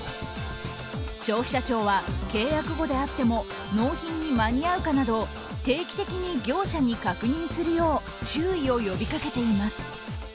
消費者庁は契約後であっても納品に間に合うかなど定期的に業者に確認するよう注意を呼びかけています。